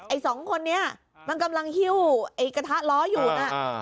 สองคนนี้มันกำลังฮิ้วไอ้กระทะล้ออยู่นะ